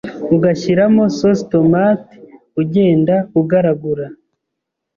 ugashyiramo Sauce Tomate, ugenda ugaragura